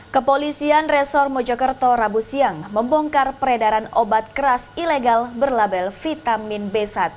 kepolisian resor mojokerto rabu siang membongkar peredaran obat keras ilegal berlabel vitamin b satu